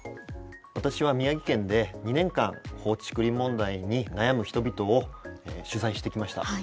私は宮城県で２年間放置竹林問題に悩む人々を取材してきました。